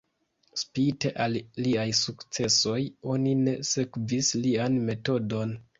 Spite al liaj sukcesoj, oni ne sekvis lian metodon.